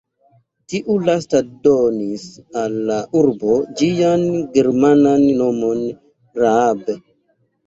Tiu lasta donis al la urbo ĝian germanan nomon Raab.